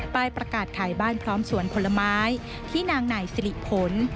ป้ายประกาศขายบ้านพร้อมสวนผลไม้ที่นางไหนสิริผล